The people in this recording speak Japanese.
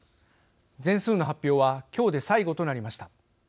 全数の発表は今日で最後となりました。